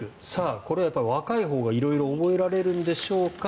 これは若いほうが覚えられるんでしょうか。